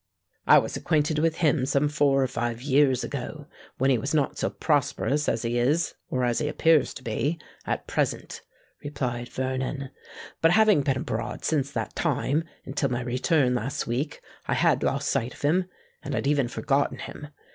"I was acquainted with him some four or five years ago, when he was not so prosperous as he is—or as he appears to be—at present," replied Vernon; "but having been abroad since that time until my return last week, I had lost sight of him—and had even forgotten him.